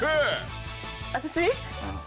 私？